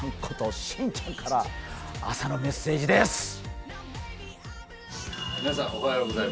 こと真ちゃんから朝のメッセージです！